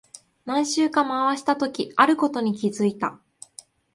何周か回したとき、あることに気づいた。